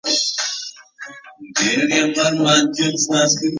سپورټ بدن جوړوي